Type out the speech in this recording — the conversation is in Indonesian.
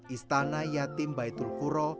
istana yatim baitul kuro